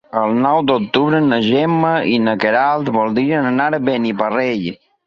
El nou d'octubre na Gemma i na Queralt voldrien anar a Beniparrell.